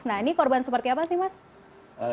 nah ini korban seperti apa sih mas